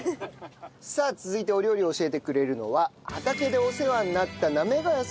さあ続いてお料理を教えてくれるのは畑でお世話になった行谷さんの奥様です。